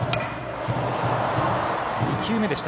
２球目でした。